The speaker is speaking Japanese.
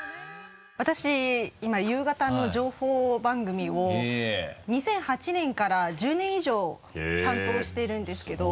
私今夕方の情報番組を２００８年から１０年以上担当しているんですけど。